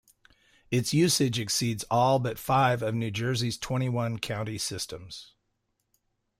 Its usage exceeds all but five of New Jersey's twenty-one county systems.